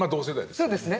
そうですね。